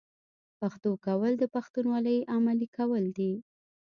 پښتو کول د پښتونولۍ عملي کول دي.